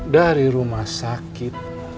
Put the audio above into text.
dari rumah sakit